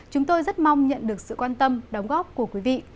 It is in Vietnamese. chúng tôi rất mong nhận được sự quan tâm đóng góp của quý vị